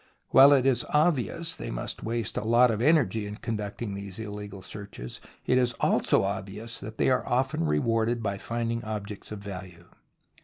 While it is obvious they must waste a lot of energy in conducting these illegal searches, it is also obvious that they are often rewarded by finding objects of value.